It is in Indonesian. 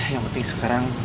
yang penting sekarang